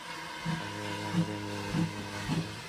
她是亚洲电视前艺人黄树棠之妹。